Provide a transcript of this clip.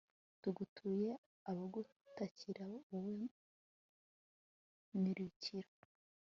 tugutuye abagutakira, wowe mirukiro